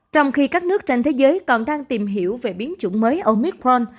trong khi các nước trên thế giới còn đang tìm hiểu về biến chủng mới omitron